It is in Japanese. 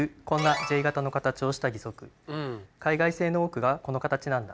海外製の多くがこの形なんだ。